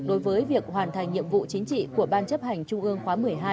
đối với việc hoàn thành nhiệm vụ chính trị của ban chấp hành trung ương khóa một mươi hai